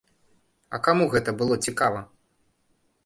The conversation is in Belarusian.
А каму гэта было цікава?